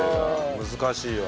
難しいわ。